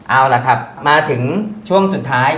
เอาล่ะครับมาถึงช่วงสุดท้าย